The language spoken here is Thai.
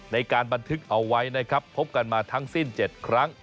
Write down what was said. ในการบันทึกเอาไว้นะครับพบกันมาทั้งสิ้น๗ครั้ง